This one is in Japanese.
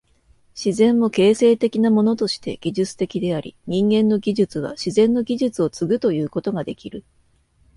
自然も形成的なものとして技術的であり、人間の技術は自然の技術を継ぐということができる。